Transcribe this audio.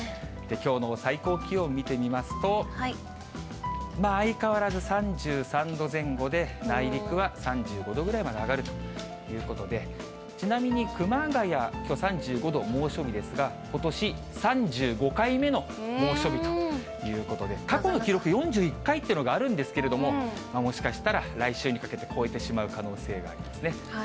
きょうの最高気温見てみますと、相変わらず３３度前後で、内陸は３５度ぐらいまで上がるということで、ちなみに熊谷、きょう３５度、猛暑日ですが、ことし３５回目の猛暑日ということで、過去の記録４１回というのがあるんですけれども、もしかしたら来週にかけて超えてしまう可能性がありますね。